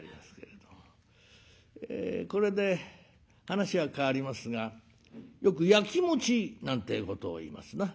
これで話は変わりますがよくやきもちなんてえことをいいますな。